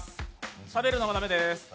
しゃべるのも駄目です。